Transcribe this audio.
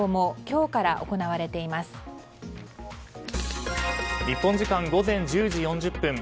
日本時間午前１０時４０分